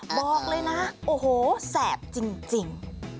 บอกเลยนะโอ้โหแสบจริง